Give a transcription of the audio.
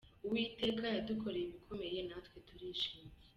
Uwiteka yadukoreye ibikomeye, natwe turishimye.